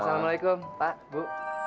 assalamualaikum pak bu